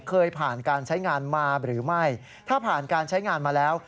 เคยผ่านการใช้งานมาหรือไม่ถ้าผ่านการใช้งานมาแล้ว